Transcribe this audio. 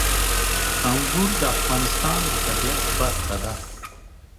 انګور د افغانستان د طبیعت برخه ده.